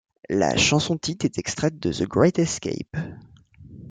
La chanson titre est extraite de The Great Escape.